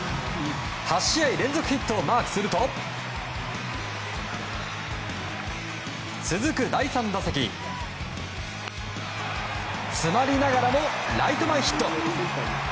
８試合連続ヒットをマークすると続く第３打席、詰まりながらもライト前ヒット。